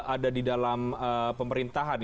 ada di dalam pemerintahan